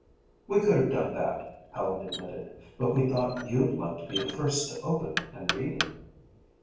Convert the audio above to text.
"We could have done that," Helen admitted, "but we thought you'd like to be the first to open and read it."